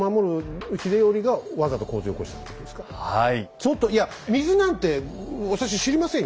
ちょっといや水なんて私知りませんよ